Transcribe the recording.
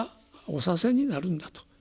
おさせになるんだと。